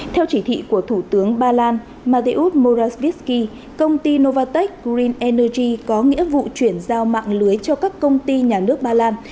theo chỉ thị của thủ tướng ba lan madeut morasbisky công ty novatek green energy có nghĩa vụ chuyển giao mạng lưới cho các công ty nhà nước ba lan